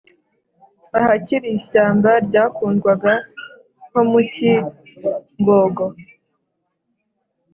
ahakiri ishyamba ryakundwaga nko mu cyingogo